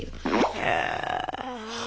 へえ！